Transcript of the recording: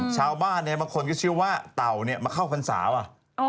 ชาวบ้านเนี่ยเมื่อคนชื่อว่าเต่ามาเข้าพรษาวะ